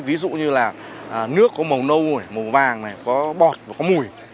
ví dụ như là nước có màu nâu màu vàng có bọt có mùi